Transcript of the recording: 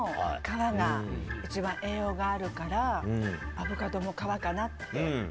栄養があるからアボカドも皮かなって。